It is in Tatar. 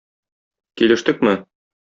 Килештекме?..